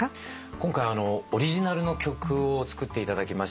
今回オリジナルの曲を作っていただきまして。